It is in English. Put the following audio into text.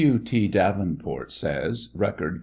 W. T. Davenport says, (Record, p.